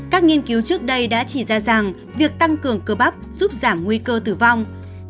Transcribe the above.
các nghiên cứu trước đây đã chỉ ra rằng việc tăng cường cơ bắp giúp giảm nguy cơ tử vong